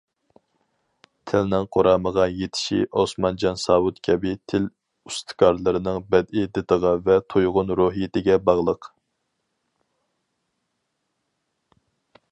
تىلنىڭ قۇرامىغا يېتىشى ئوسمانجان ساۋۇت كەبى تىل ئۇستىكارلىرىنىڭ بەدىئىي دىتىغا ۋە تۇيغۇن روھىيىتىگە باغلىق.